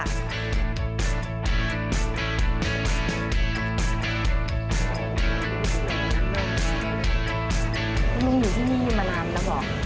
นี่โมงอยู่ที่นี่อยู่มานานแล้วเหรอ